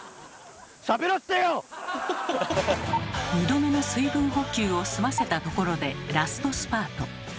２度目の水分補給を済ませたところでラストスパート。